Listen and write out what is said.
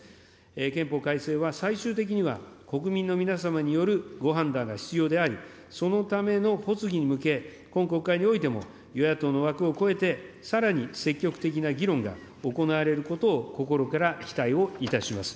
憲法改正は最終的には国民の皆様によるご判断が必要であり、そのための発議に向け、今国会においても与野党の枠を超えて、さらに積極的な議論が行われることを、心から期待をいたします。